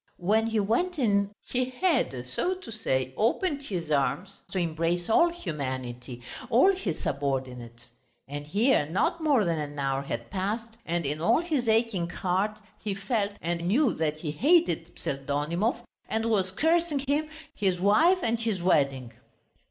When he went in he had, so to say, opened his arms to embrace all humanity, all his subordinates; and here not more than an hour had passed and in all his aching heart he felt and knew that he hated Pseldonimov and was cursing him, his wife and his wedding.